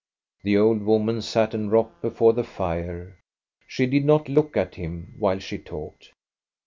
The old woman sat and rocked before the fire. She did not look at him, while she talked.